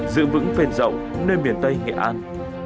giữ vững phền rộng nơi miền tây nghệ an